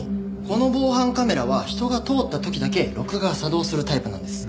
この防犯カメラは人が通った時だけ録画作動するタイプなんです。